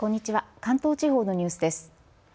関東地方のニュースです。